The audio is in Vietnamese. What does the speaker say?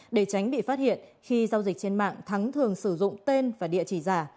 để tránh bị phát hiện khi giao dịch trên mạng thắng thường sử dụng tên và địa chỉ giả